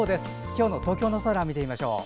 今日の東京の空を見てみましょう。